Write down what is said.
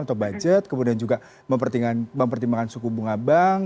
atau budget kemudian juga mempertimbangkan suku bunga bank